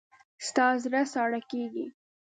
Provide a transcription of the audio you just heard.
ستا زړه ساړه کېږي.